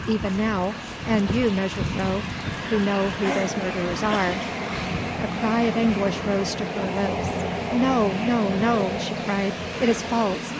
even now ... and you, mejuffrouw, who know who those murderers are...." A cry of anguish rose to her lips. "No, no, no," she cried, "it is false